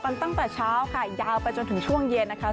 ตั้งแต่เช้าค่ะยาวไปจนถึงช่วงเย็นนะคะ